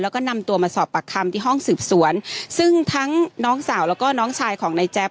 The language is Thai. แล้วก็นำตัวมาสอบปากคำที่ห้องสืบสวนซึ่งทั้งน้องสาวแล้วก็น้องชายของนายแจ๊บ